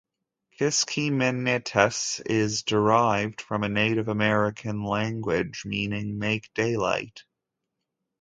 Kiskiminetas is derived from a Native American language meaning "make daylight".